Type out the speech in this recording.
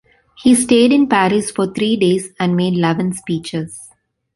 He stayed in Paris for three days and made eleven speeches.